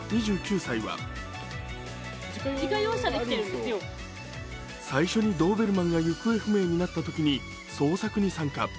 ２９歳は最初にドーベルマンが行方不明になったときに捜索に参加。